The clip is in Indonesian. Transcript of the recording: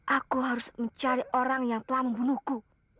aku harus mencari orang yang telah membunuhku